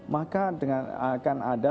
maka akan ada